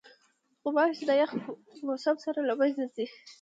غوماشې د یخ موسم سره له منځه ځي.